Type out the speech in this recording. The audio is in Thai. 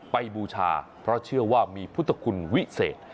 บูชาเพราะเชื่อว่ามีพุทธคุณวิเศษ